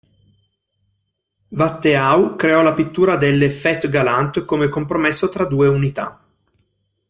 Watteau creò la pittura delle "fête galante" come compromesso tra due unità.